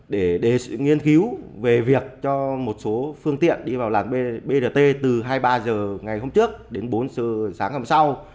để nghiên cứu về việc cho một số phương tiện đi vào làn brt từ hai mươi ba h ngày hôm trước đến bốn h sáng hôm sau